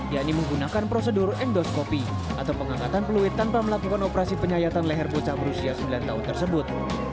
yakni menggunakan prosedur endoskopi atau pengangkatan peluit tanpa melakukan operasi penyayatan leher bocah berusia sembilan tahun tersebut